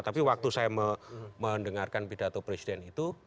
tapi waktu saya mendengarkan pidato presiden itu